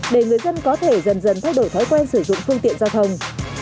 để người dân có thể dần dần thay đổi thói quen sử dụng phương tiện giao thông